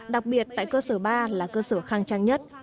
đặc biệt tại cơ sở ba là cơ sở khang trang nhất